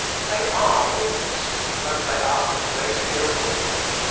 They are all this, but they are a great deal more.